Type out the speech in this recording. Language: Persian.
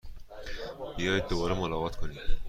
بیایید دوباره ملاقات کنیم!